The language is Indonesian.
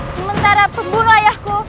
sementara pembunuh ayahku